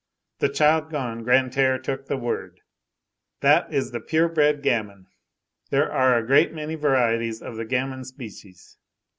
The child gone, Grantaire took the word:— "That is the pure bred gamin. There are a great many varieties of the gamin species.